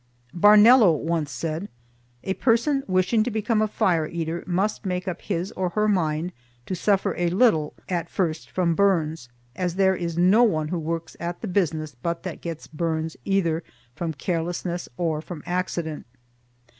Barnello once said, "A person wishing to become a Fire Eater must make up his or her mind to suffer a little at first from burns, as there is no one who works at the business but that gets burns either from carelessness or from accident."